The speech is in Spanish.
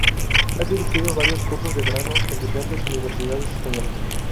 Ha dirigido varios cursos de verano en diferentes universidades españolas.